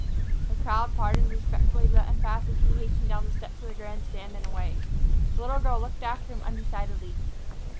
The crowd parted respectfully to let him pass as he hastened down the steps of the grand stand and away. The little girl looked after him undecidedly.